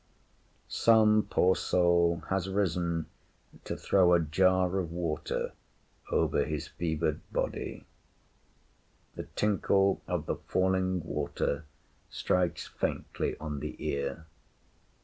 Some poor soul has risen to throw a jar of water over his fevered body; the tinkle of the falling water strikes faintly on the ear.